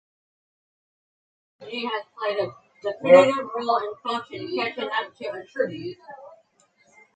Technology has played a definitive role in function catching up to attribute.